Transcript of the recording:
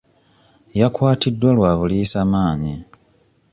Yakwatiddwa lwa buliisa maanyi.